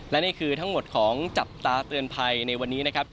และนี่คือทั้งหมดของจับตาเตือนภัยในวันนี้นะครับ